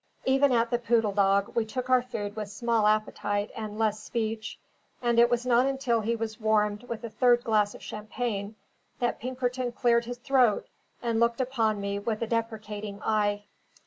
Even at the Poodle Dog, we took our food with small appetite and less speech; and it was not until he was warmed with a third glass of champagne that Pinkerton cleared his throat and looked upon me with a deprecating eye.